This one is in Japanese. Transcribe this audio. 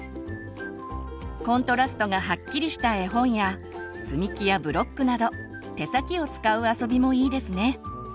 コントラストがはっきりした絵本や積み木やブロックなど手先を使う遊びもいいですね。